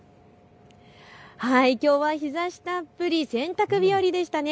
きょうは日ざしたっぷり洗濯日和でしたね。